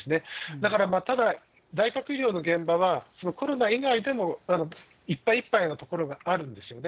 だからただ大学医療の現場はコロナ以外でもいっぱいいっぱいのところがあるんですよね。